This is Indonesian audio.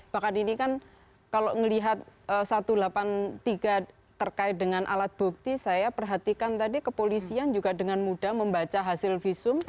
bahkan ini kan kalau melihat satu ratus delapan puluh tiga terkait dengan alat bukti saya perhatikan tadi kepolisian juga dengan mudah membaca hasil visum